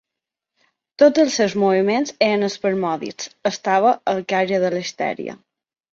Tots els seus moviments eren espasmòdics; estava al caire de la histèria.